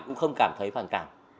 cũng không cảm thấy phản cảm